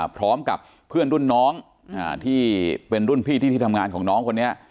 พร้อมกับเพื่อนรุ่นน้องที่เป็นรุ่นพี่ที่ทำงานของน้องคนนี้